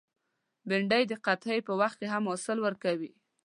بېنډۍ د قحطۍ په وخت کې هم حاصل ورکوي